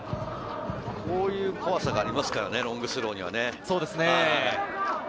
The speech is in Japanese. こういう怖さがありますからね、ロングスローには。